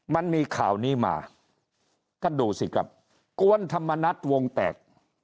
มันมีข่าวนี้มาท่านดูสิครับกวนธรรมนัฐวงแตก